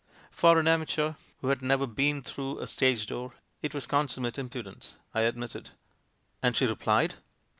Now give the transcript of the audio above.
"For an amateur who had never been through a stage door it was consummate impudence," I admitted. "And she replied?"